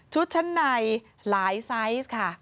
ชุดชั้นในหลายซ้ายค่ะ